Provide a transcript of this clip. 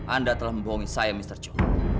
anda telah membohongi saya mr chow